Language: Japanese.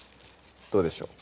どうでしょう？